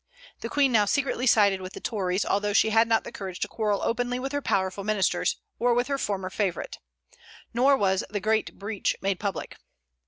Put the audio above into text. The Queen now secretly sided with the Tories, although she had not the courage to quarrel openly with her powerful ministers, or with her former favorite. Nor was "the great breach" made public.